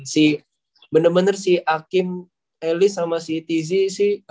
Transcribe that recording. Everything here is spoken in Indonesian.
si bener bener si akeem ellis sama si tz sih